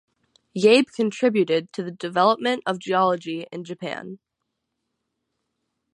Yabe contributed to the development of geology in Japan.